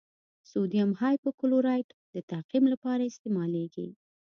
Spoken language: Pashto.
سوډیم هایپوکلورایټ د تعقیم لپاره استعمالیږي.